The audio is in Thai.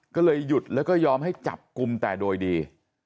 ก็เลยหยุดแล้วก็ยอมให้จับกลุ่มแต่โดยดี